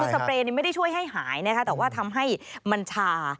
คือสเปรย์นี่ไม่ได้ช่วยให้หายแต่ว่าทำให้มันชา